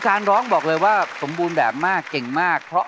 กับเรื่องเลย